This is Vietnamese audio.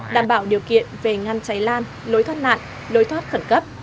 đảm bảo điều kiện về ngăn cháy lan lối thoát nạn lối thoát khẩn cấp